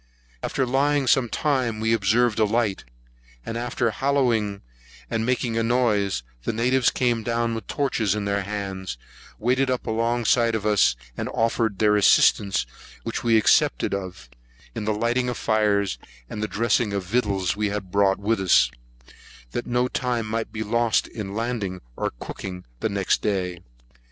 After laying some time, we observed a light; and after hallooing and making a noise, the natives came down with torches in their hands, waded up alongside of us, and offered their assistance, which we accepted of, in lighting fires, and dressing the victuals we had brought with us, that no time might be lost in landing or cooking the next day.